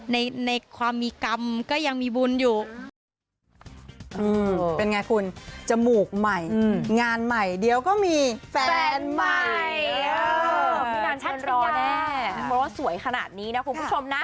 ในความมีกรรมก็ยังมีบุญอยู่